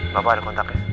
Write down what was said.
bapak ada kontaknya